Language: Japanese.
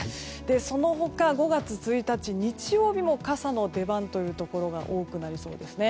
その他、５月１日の日曜日も傘の出番というところが多くなりそうですね。